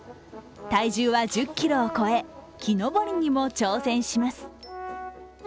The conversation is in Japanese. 体重は１０ｋｇを超え、木登りにも挑戦します。